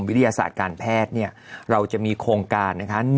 วิทยาศาสตร์การแพทย์เนี่ยเราจะมีโครงการนะคะ